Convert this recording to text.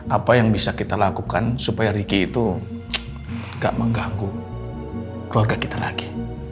apa yang bisa kita lakukan supaya ricky itu gak mengganggu keluarga kita lagi